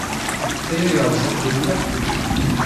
Aya yerza-ken ula d kenwi.